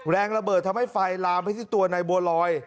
แรงระเบิดทำให้ไฟลามไปที่ตัวนายบัวลอย